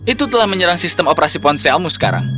itu telah menyerang sistem operasi ponselmu sekarang